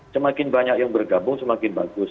semakin banyak yang bergabung semakin bagus